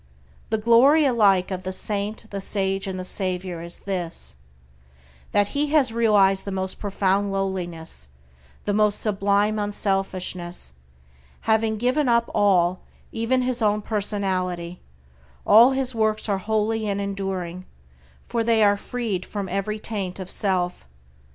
The glory alike of the saint, the sage, and the savior is this, that he has realized the most profound lowliness, the most sublime unselfishness; having given up all, even his own personality, all his works are holy and enduring, for they are freed from every taint of self.